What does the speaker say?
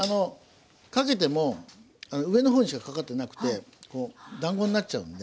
かけても上の方にしかかかってなくてこうだんごになっちゃうんで。